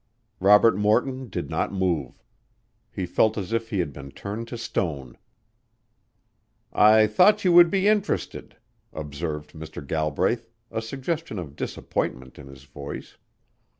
Robert Morton did not move. He felt as if he had been turned to stone. "I thought you would be interested," observed Mr. Galbraith, a suggestion of disappointment in his voice.